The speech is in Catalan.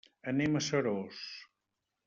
Anem a Seròs.